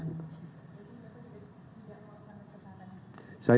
jadi pak menteri tidak mau lakukan kesalahan